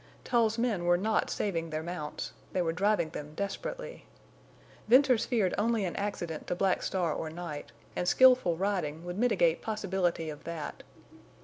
Tull's men were not saving their mounts; they were driving them desperately. Venters feared only an accident to Black Star or Night, and skilful riding would mitigate possibility of that.